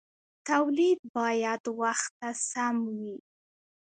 تولید باید وخت ته سم وي.